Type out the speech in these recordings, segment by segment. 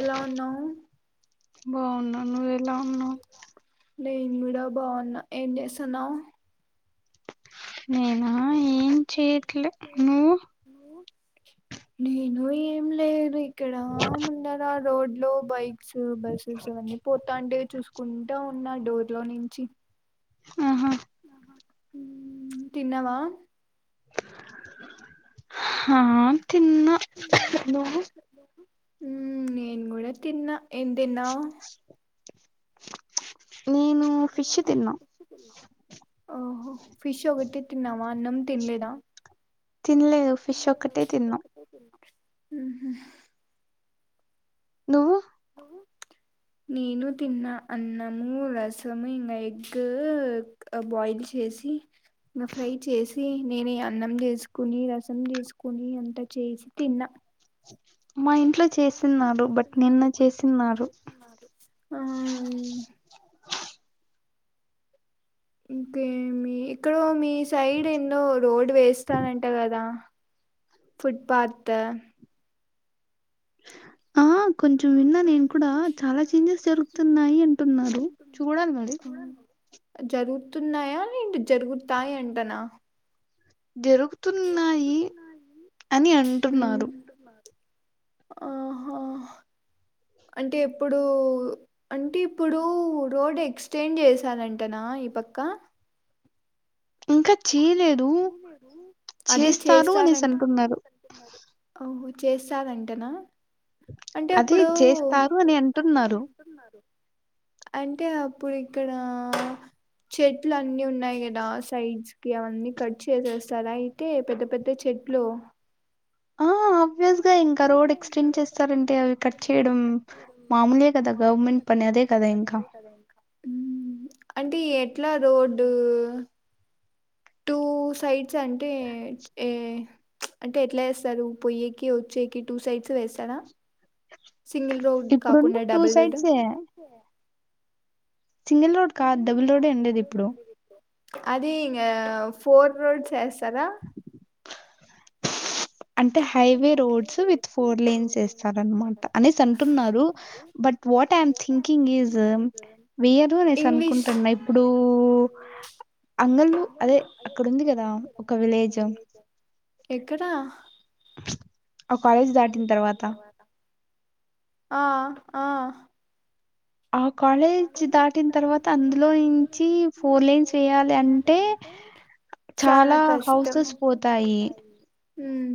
ఎలా ఉన్నావు. బాగున్నా నువ్ ఎలా ఉన్నావు. నేను కూడా బాగున్నా ఏం చేస్తున్నావు. నేనా ఏం చెయ్యట్లే నువ్వు. నేను ఏం లేవై. ఇక్కడ మున్డరా రోడ్ లో బైక్స్ బస్సెస్ అవన్నీ పోతాంటే చూసుకుంటాం ఉన్. ఉన్న డోర్ లో నుంచి. ఆహా. తిన్నవా. హాఆ. నేను కూడా తిన్నా. ఏం తిన్నావ్. నేను ఫిష్ తిన్న. ఆహో ఫిష్ ఒక ఒకటి తిన్నావా అన్నం తినలేదా. తినలేదు ఫిష్ ఒక్కటే తిన్న. మ్మ్ హ్ నువ్వు హ నేను తిన్నా అన్నము రసము ఇంగా ఎగ్గ్ అ బాయిల్ చేసి నా ఫ్రై చేసి నేనే అన్నం చేసుకుని రసం చేసుకొని అంతా చేసి తిన్నా మా ఇంట్లో చేసిన్నారు బట్ నిన్న చేసిన్నారు ఆహ్ ఇంకా ఏమీ ఇక్కడో మీ సైడ్ ఎన్నో రోడ్ వేస్తారంట కదా ఫుట్పాత్ అహా కొంచెం విన్నా నేను కూడా చాలా చేంజెస్ జరుగుతున్నాయి అంటున్నారు చూడాలి మరి జరుగుతున్నాయా లేంటే జరుగుతాయి అంటనా జరుగుతున్నాయి అని అంటున్నారు ఆహా అంటే ఇప్పుడు రోడ్ ఎక్స్టెండ్ చేసారంటనా ఈ పక్క ఇంకా చేయలేదు చేస్తారు అనేసి అంటున్నారు ఓహో చేస్తాదంటనా అంటే ఇప్పుడు అంటే అప్పుడు ఇక్కడ చెట్లు అన్నీ ఉన్నాయి కదా సైజ్ కే అవన్నీ కట్ చేసేస్తారా అయితే పెద్ద పెద్ద చెట్లు ఆ ఆబ్వియస్ గా ఇంకా రోడ్ ఎక్స్టెండ్ చేస్తారంటే అవి కట్ చేయడం మాముూలే కదా గవర్నమెంట్ పని అదే కదా ఇంకా అదే ఇంకా మ్మ్ అంటే ఎట్లా రోడ్డు టూ సైడ్ స్ అంటే ఏ ప్చ్ అంటే ఎట్ల వేస్సరు పొయ్యేకి వచ్చేకి టూ సైడ్స్ వేస్తారా సింగిల్ రోడ్ కాకుండా డబుల్ రోడ్డు సింగిల్ రోడ్ కాదు డబుల్ రోడ్డే ఉండేది ఇప్పుడు అది ఇంగా ఫోర్ రోడ్స్ వేస్తారా [unintelligible] అంటే highway roads with four lines వేస్తారు అన్మాట అనేసి అంటున్నారు but what I'm thinking is వేయరు అనేసి అనుకుంటున్నా ఇప్పుడు అంగళ్లు అదే అక్కడ ఉంది కదా ఒక విలేజ్ ఎక్కడా ప్చ్ ఆ కాలేజ్ దాటిన తర్వాత ఆ ఆ ఆ కాలేజి నుంచి దాటిన తర్వాత అందులో నుంచి ఫోలేం చేయాలి అంటే చానా కష్టం ఉమ్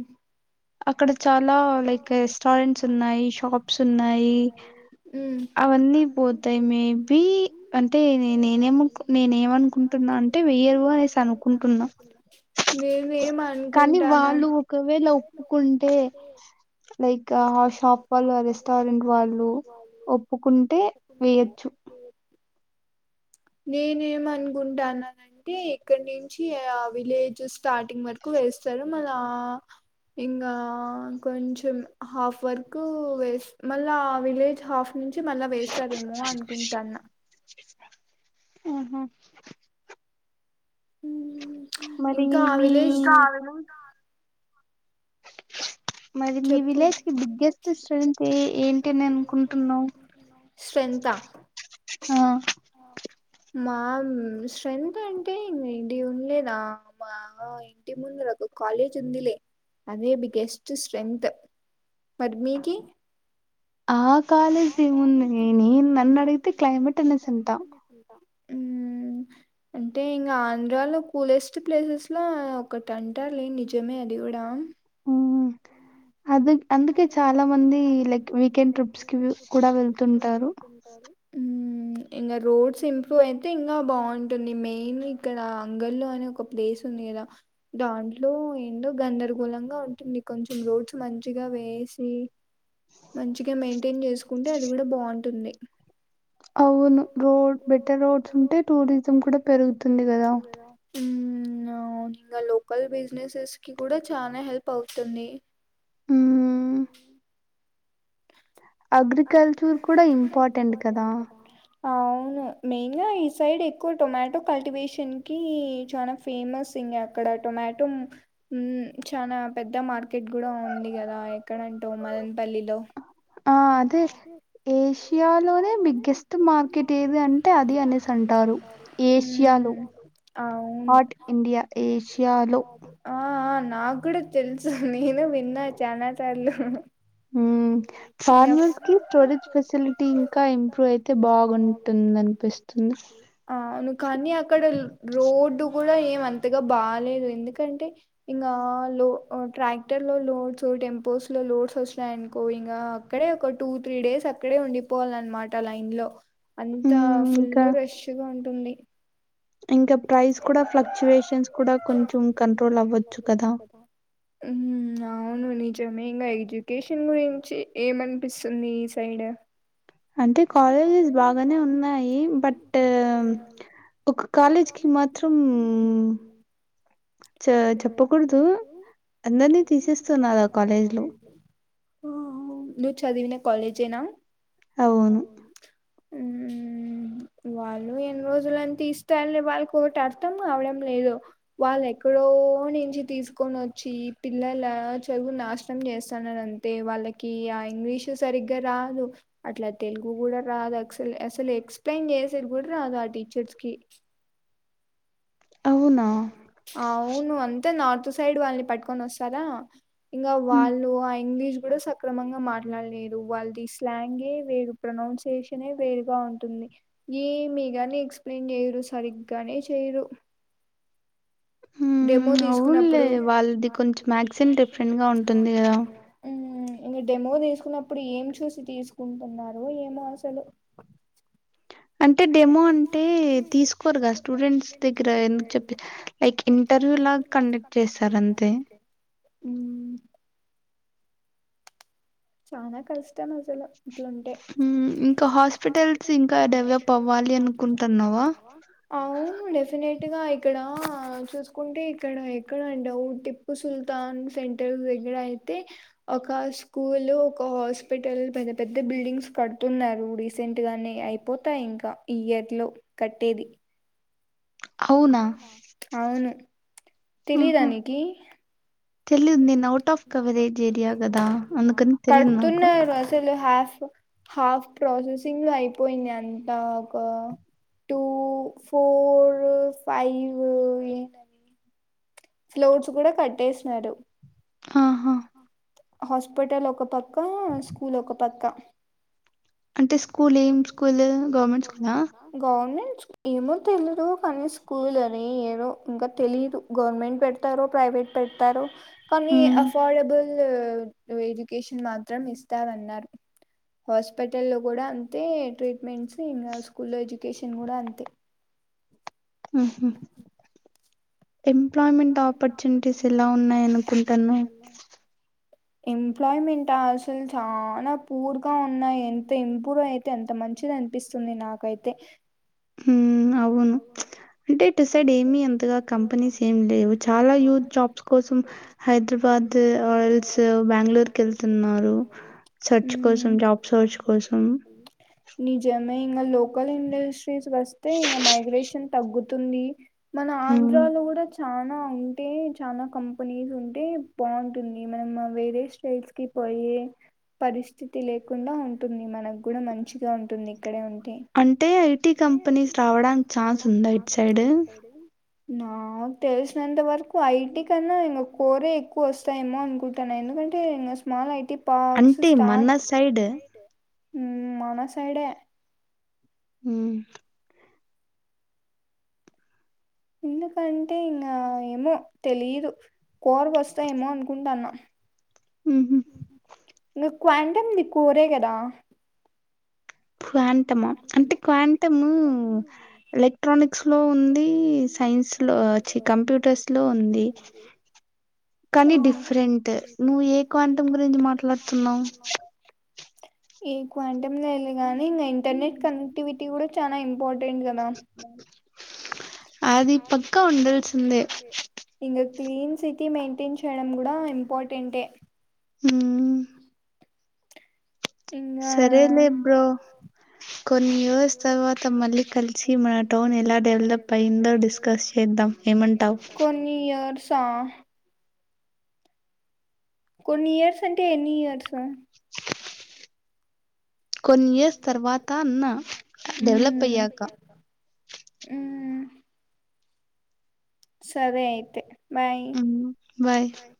అక్కడ చాలా లైక్ రెస్టారెంట్స్ ఉన్నాయి షాప్స్ ఉన్నాయి అవన్నీ పోతాయ్ మేబీ అంటే నేనేమో నేనేం ఏమనుకుంటున్నా అంటే వెయ్యరు అనేసి అనుకుంటున్నా నేనేం అనుకుంటాన్నా ఒక వే లో ప్పుకుంటే లైక్ ఆ షాప్ వాళ్ళు ఆ రెస్టారెంట్ వాళ్ళు ఒప్పుకుంటే వేయొచ్చు నేనేమనుగుంట అనన్న టే ఇక్కడ నుంచి ఆ విలేజ్ స్టార్టింగ్ వరకు వేస్తరు మళ ఇంగా కొంచెం హాఫ్వర్క్ వేస్ మళ్ళా ఆ విలేజ్ హాఫ్ నుంచి మళ్ళా వేస్తారేమో అనుకుంటాన్న ఆహా మరి మీ మరి మీ విలేజ్కి బిగ్గెస్ట్ స్టడెంట్ ఎ ఏంటి అనుకుంటున్నవు స్ట్రేంత ఆ ఆ మామ్ స్ట్రెంత్ అంటే ఇది ఉన్లేదమా ఇంటి ముందుర ఒక కాలేజ్ ఉందిలే అదే బిగ్గెస్ట్ స్ట్రెంగ్త్ మరి మీకి ఆ ఆ కాలేము మేము నన్నడైతే చైనా తెలుకుంటాం ఉమ్ అంటే ఇంకా ఆంధ్రాలో కూలెస్ట్ ప్లేసెస్ల ఒకటి అంటలి నిజమే అది కూడా ఉమ్ అదే అందుకే చాలా మంది లైక్ వీకెండ్ ట్రిప్స్ కి కూడా వెళ్తుంటారు ఉమ్ ఉమ్ ఇంకా రోడ్స్ ఇంప్రూవ్ అయితే ఇంకా బాగుంటుంది మెయిన్ ఇక్కడ అంగల్లో అనే ఒక దేస్ ఉంది కదా దాంట్లో ఏందో గందరగోళంగా ఉంటుంది కొంచెం రోడ్స్ మంచ్ చిగా వేసి మంచిగా మెయింటైన్ చేసుకుంటే అది కూడా బాగుంటుంది అవును రోడ్ బెటర్ రోడ్స్ ఉంటే టూరిజం కూడా పెరుగుతుంది కదా ఊం అవును ఇంకా లోకల్ బిజినెసెస్ కి కూడా చానా హెల్పవుతుంది ఉమ్ అగ్రికల్చర్ కూడా ఇంపార్టెంట్ కదా అవును అ మెయిన్ గా ఈ సైడ్ ఎక్కువ టొమాటో కల్టివేషన్ కి చాలా ఫేమస్ ఇంకా క్కడ టొమాటో ఉమ్ చానా పెద్ద మార్కెట్ కూడా ఉంది కదా ఎక్కడంటూ మదన్పల్లిలో ఆ అదే ఏసియాలోనే బిగ్గెస్ట్ మార్కెట్ ఏవి అంటే అది అనికుంటారు ఉమ్ ఆట్ ఇండియా ఏషియాలో ఆ ఆ నాగ్గూడా తెలుసు నేను విన్నా చానా సార్లు ఉమ్ ఫార్మర్స్కి స్టోరేజ్ ఫెసిలిటీ ఇంకా ఇంప్రూవ్ అయితే బాగుంటుందనిపిస్ చిన్ అవును కానీ అక్కడ రోడ్డు కూడా ఏం అంతగా బాలేేదు ఎందుకంటే ఇంకా లో ట్రాక్టర్లలో లోడ్స్ టెంపోస్ లో లోడ్స్ వస్తయనుకో ఇంకా క్కడే ఒక టూ త్రీ డేస్ అక్కడే ఉండిపోవాలనమాట లైన్లో అంతా ఫుల్లు రష్ తిగా ఉంటుంది ఇంకా ప్రైస్ కూడా ఫ్లక్చుయేషన్స్ కూడా కొంచెం కంట్రోల్ అవ్వచ్చు కదా ఉమ్ అవున్ నిజమే ఇంగ ఎడ్యుకేషన్ గురించి ఏమనిపిస్తుంది ఈ సైడ్ అంటే కాలేజెస్ బాగానే ఉన్నాయి బట్టూ ఒక కాలేజ్ కి మాత్రం మ్మ్ చొ చొప్పకూడ్దు అందర్నీ తీసేస్తన్నారా కాలేజ్ లో ఓహో వ్ నువ్వ్ చదివిన కాలేజేన హవును ఊ వాళ్ళు ఎన్న్ రోజులన్ తీస్తార్లే వాళ్కొగటి అర్థం గావడం లేదు వాళ్ళ ఎక్కడో నించి తీస్కొనోచ్చి తిల్లల చదువు నాశ్నం జేస్తన్నరన్ తే వాళ్ళకి ఆ ఇంగ్లీషు సరిగ్గా రాదు అట్ల తెలుగు గుడా రాదక్ససలు అసలు ఎక్స్ప్లెయిన్ జేసేద్ గూడ్రాదు ఆ టీచర్స్ కి అవును అంతా నార్త్ సైడ్ వాళ్ని పట్టుకొనొస్తరా ఇంగా వాళ్ళు ఆ ఇంగ్లీష్ కుడా సక్రమంగా మాట్లాల్లేదు వాళ్ది స్లాంగే వేరు ప్రొనౌన్సియేషనె వేరుగా ఉంటుంది ఏమి గని ఎక్స్ ప్లైన్ జెయ్యురు సరిగ్గానే చేయురు డేమో దీస్ న్లే వాళ్ది కొంచెం మ్యాక్సిం డిఫ్రెంట్ గా ఉంటుంది గదా ఉహూ ఇంగ డెమో దీస్కున్నప్పుడు ఏం చూసి తీస్కుంటన్నారో ఏమో అసలు అంటే డెమో అంటే తీస్కోర్ గా స్టూడెంట్స్ దగ్గిర ఎందుక్ చొప్పి లైక్ ఇంటర్వ్యూ లాగ్ కండెక్ట్ చేస్తారంతే ఊ చానా కష్టం అసలు హూ ఇంకా హాస్పిటల్స్ ఇంకా డెవలప్ అవ్వాలి అనుకుంటన్నావ అవును డెఫినెట్టుగా ఇక్కడా చూస్కుంటే ఇక్కడ ఎక్కడ డౌటిప్ కు సుల్తాన్ సెంటర్స్ దగ్గెరా అయితే ఒక స్కూ లు ఒక హాస్పిటల్ పెద్ద పెద్ద బిల్డింగ్స్ కడ్తున్నారు రీసెంట్ గానే అయిపోతాయ్ ఇంక ఈ ఇయడ్లో కట్టేది నా అవును తేలీద నీకి కడ్తున్నారు అస్సలు హ్యాఫు హాఫ్ ప్రాసెసింగ్ లో ఐపోయింద్యంతా ఒకా టూ ఫోరూ ఫైవూ ఏం ఫ్లోడ్సు కూడ కట్టేస్నారు హాహ హాస్పెటల్ ఒక పక్కా స్కూలొక పక్క అంటే స్కూల్ ఏం స్కూలు గవ్మెంట్ స్కూలా గౌమెండ్స్ ఏమో తెలుదు కానీ స్కూలు అని ఏరో ఇంకా తెలీదు గోర్మెంట్ పెడ్ ట్టారో ప్రైవేట్ పెట్యారో కానీ అఫాడబుల్ ఇల్లూ వెజుకేషన్ మాత్రం ఇస్తారన్నారు హాస్పెడ్ టల్లో గుడ అంతే ట్రీట్మెంట్సు ఇంగా స్కూల్లో ఎజ్యుకేషన్ గూడ అంతే ఊహు ఎంప్లాయ్ మెంట్ ఆపర్చునిటీస్ ఎలా ఉన్నాయ్ అనుకుంటన్నావ్ ఎంప్లాయ్మెంటా అస్సల్ చానా పూర్ గా ఉన్నాయ్ ఎంత ఇంప్రూ అయ్ తే అంత మంచిదనిపిస్తుంది నాకైతే ఊ అవును అంటే ఇటు సైడ్ ఏమి అంతగా కంపెనీస్ ఏమి లేవు చాలా యూత్ జాబ్స్ కోసం హైదరాబాద్ ఆయిల్స్ బెంగళూరు కెళ్తున్నారు సర్చ్ కోసం జాబ్ సర్చ్ పర్సన్ నిజమే ఇంకా లోకల్ ఇండస్ట్రీస్ వస్తే ఇంక మైగ్రేషన్ తగ్గుతుంది మన ఆంధ్రాలో గూడా చ చానా ఉంటే చానా కంపెనీస్ ఉంటే బావుంటుంది మనము వేరే స్టేట్స్ కి పొయి పరిస్థితి లేకుండా ఉంటుంది మన గూడ మంచిగా ఉంటుంది ఇక్కడే ఉంటే అంటే ఐటి కంపెనీస్ రావడానికి ఛాన్స్ ఉంద ఇట్ సైడ్ డు నాకు తెలిసినంత వరకు ఐటీ కన్నా ఇంకా కోరే ఎక్కువ వస్తాయేమో అనుకుంట్ థన ఎందుకంటే ఇంగ స్మాల్ ఐటిప్ పాక్స్ స్టాట్ ఉమ్ మన సైడే ఊ ఎందుకంటే ఇంగా ఏమో తెలీదు కోరకు వస్తాయమో అనుకుంటన్న ఊహు నీక్ క్వాంటమ్ ది కోరే గదా ఫాన్ త్తమ అంటే క్వాంటము ఎలక్ట్రానిక్స్ లో ఉంది సైన్స్ లో చి కంప్యూటర్స్ లో ఉంది కానీ డిఫరెంట్ నువ్వు ఏ క్వాంటమ్ గురించి మాట్లాడుతున్నావు బ్లాంక్ ఏ క్వాంటమ్ లేద్ లే గానీ ఇంకా ఇంటర్నెట్ కనెక్టివిటీ కూడా చాలా ఇంపార్టెంట్ కదా అది పక్క ఉండల్సిందె ఇంకా క్లీన్ సిటీ మెయింటైన్ చేయడం కూడా ఇంపార్టెంటే ఊ సరేలే బ్రో కొన్ని ఇయర్స్ తర్వాత మళ్ళీ కలిసి మన టౌన్ ఎలా డెవలప్ అయిందో డిస్కస్ చేద్దాం ఏమంటావ్ కొన్ని ఇయర్స కొన్ని ఇయర్స్ అంటే ఎన్ని ఇయర్స్ కొన్ని ఇయర్స్ తర్వాత అన్న డెవలప్ అయ్యాక ఊమ్ సరే అయితే బాయ్ బాయ్